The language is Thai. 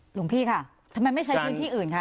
หลวงพี่ค่ะทำไมไม่ใช้พื้นที่อื่นคะ